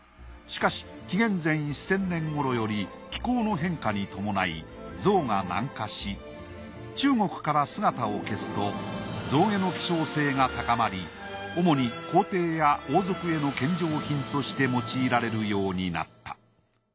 しかし紀元前１０００年頃より気候の変化に伴い象が南下し中国から姿を消すと象牙の希少性が高まり主に皇帝や王族への献上品として用いられるようになった。